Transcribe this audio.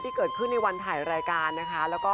ที่เกิดขึ้นในวันถ่ายรายการนะคะ